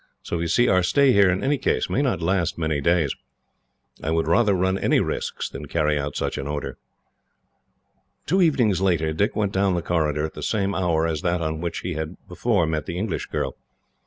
So you see our stay here, in any case, may not last many days. I would rather run any risks than carry out such an order." Two evenings later, Dick went down the corridor at the same hour as that on which he had before met the English girl.